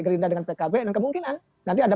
gerinda dengan pkb kemungkinan nanti ada